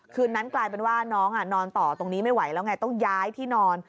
คืนนั้นกลายเป็นว่าน้องนอนต่อตรงนี้ไม่ไหวแล้วไงต้องย้ายที่นอน